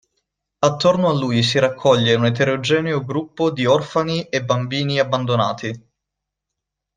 Attorno a lui si raccoglie un'eterogeneo gruppo di orfani e bambini abbandonati.